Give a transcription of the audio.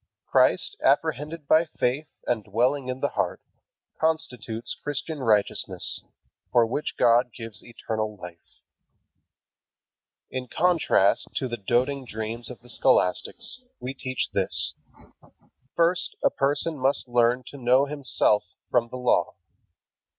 Christ, apprehended by faith and dwelling in the heart, constitutes Christian righteousness, for which God gives eternal life. In contrast to the doting dreams of the scholastics, we teach this: First a person must learn to know himself from the Law.